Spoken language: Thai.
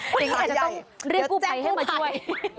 เป็นอย่างนั้นจะต้องเรียกกู้ไภให้มาช่วย